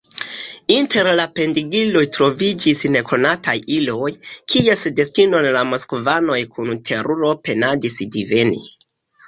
Inter la pendigiloj troviĝis nekonataj iloj, kies destinon la moskvanoj kun teruro penadis diveni.